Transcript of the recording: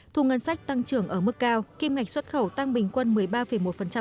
thu ngân sách tăng trưởng ở mức cao kim ngạch xuất khẩu tăng bình quân một mươi ba một